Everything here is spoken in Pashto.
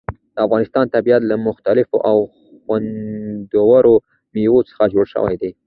د افغانستان طبیعت له مختلفو او خوندورو مېوو څخه جوړ شوی دی.